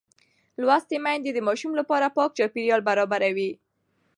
لوستې میندې د ماشوم لپاره پاک چاپېریال برابروي.